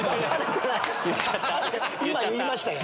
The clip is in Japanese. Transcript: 今言いましたよ。